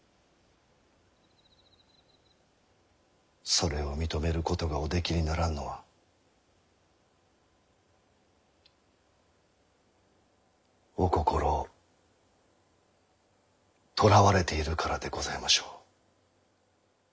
それを認めることがおできにならんのはお心をとらわれているからでございましょう。